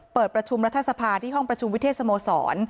เปิดประชุมรัฐสภาที่ห้องประชุมวิเทศสโมสร